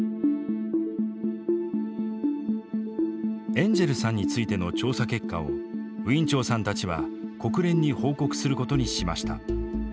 エンジェルさんについての調査結果をウィン・チョウさんたちは国連に報告することにしました。